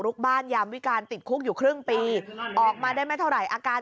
บ้านยามวิการติดคุกอยู่ครึ่งปีออกมาได้ไม่เท่าไหร่อาการ